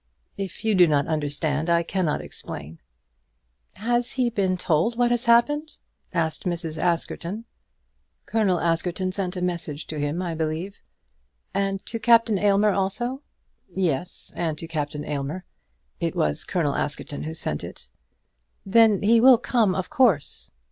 "If you do not understand I cannot explain." "Has he been told what has happened?" Mrs. Askerton asked. "Colonel Askerton sent a message to him, I believe." "And to Captain Aylmer also?" "Yes; and to Captain Aylmer. It was Colonel Askerton who sent it." "Then he will come, of course."